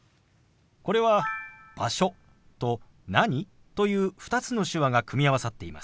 これは「場所」と「何？」という２つの手話が組み合わさっています。